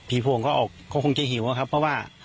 พวงก็ออกก็คงจะหิวอะครับเพราะว่า